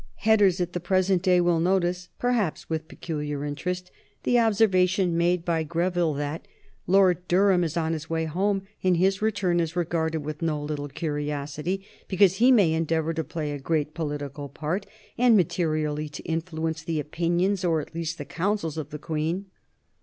Headers at the present day will notice, perhaps with peculiar interest, the observation made by Greville that "Lord Durham is on his way home, and his return is regarded with no little curiosity, because he may endeavor to play a great political part, and materially to influence the opinions, or at least the councils, of the Queen."